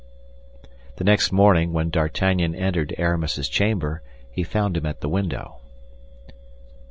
The next morning, when D'Artagnan entered Aramis's chamber, he found him at the window.